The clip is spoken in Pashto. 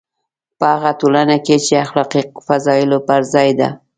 په هغه ټولنه کې چې اخلاقي فضایلو پر ځای ده.